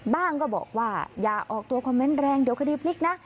ก็บอกว่าอย่าออกตัวคอมเมนต์แรงเดี๋ยวคดีพลิกนะ